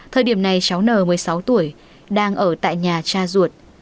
thời điểm này cháu n một mươi sáu tuổi đang ở tại nhà cha ruột